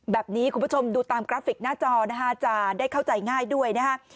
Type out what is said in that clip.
คุณผู้ชมดูตามกราฟิกหน้าจอนะฮะจะได้เข้าใจง่ายด้วยนะฮะ